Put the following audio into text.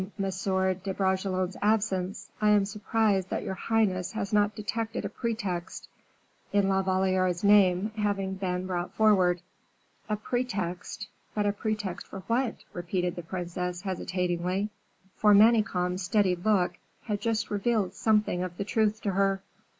de Bragelonne's absence, I am surprised that your highness has not detected a pretext in La Valliere's name having been brought forward." "A pretext? But a pretext for what?" repeated the princess, hesitatingly, for Manicamp's steady look had just revealed something of the truth to her.